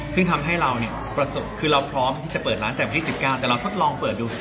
ซึ่งทำให้เราคือเราพร้อมที่จะเปิดร้านจากปี๑๙แต่เราทดลองเปิดดู